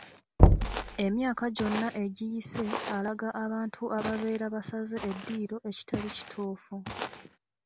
Emyaka gyonna egiyise alaga abantu ababeera basaze eddiiro ekitali kituufu.